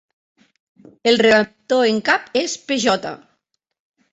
El redactor en cap és P.J.